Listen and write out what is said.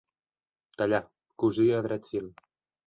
Tallar, cosir a dret fil.